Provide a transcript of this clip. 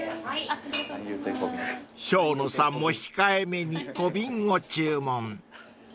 ［生野さんも控えめに小瓶を注文］